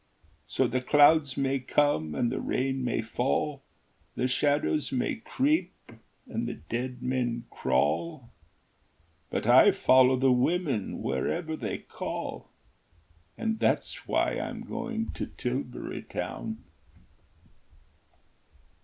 So the clouds may come and the rain may fall, The shadows may creep and the dead men crawl, But I follow the women wherever they call, And that's why I'm going to Tilbury Town."